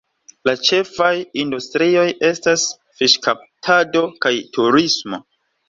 La ĉefaj industrioj estas fiŝkaptado kaj turismo.